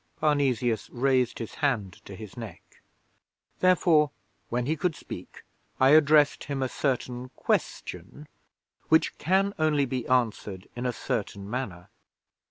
Parnesius raised his hand to his neck. 'Therefore, when he could speak, I addressed him a certain Question which can only be answered in a certain manner.